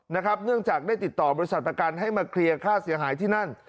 เนื่องจากได้ติดต่อบริษัทประกันให้มาเคลียร์ค่าเสียหายที่นั่น